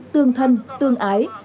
tương thân tương ái